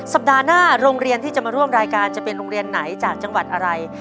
สัปดาห์หน้าโรงเรียนที่จะมาร่วมรายการจะเป็นโรงเรียนไหนจากจังหวัดอะไร